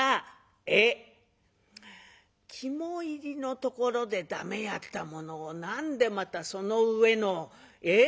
「えっ？肝煎りのところで駄目やったものを何でまたその上のえっ？